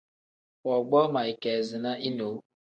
Woogboo ma ikeezina inewu.